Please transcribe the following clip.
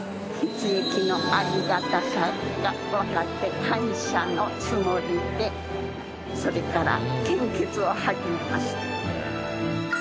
血液のありがたさがわかって感謝のつもりでそれから献血を始めました。